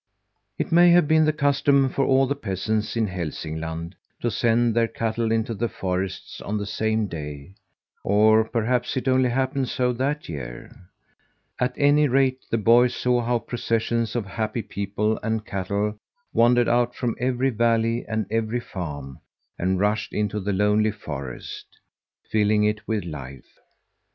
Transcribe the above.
It may have been the custom for all the peasants in Hälsingland to send their cattle into the forests on the same day or perhaps it only happened so that year; at any rate the boy saw how processions of happy people and cattle wandered out from every valley and every farm and rushed into the lonely forest, filling it with life.